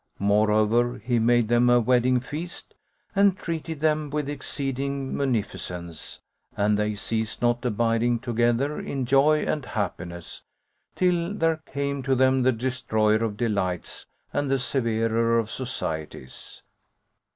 Moreover, he made them a wedding feast and treated them with exceeding munificence; and they ceased not abiding together in joy and happiness, till there came to them the Destroyer of delights and the Severer of societies.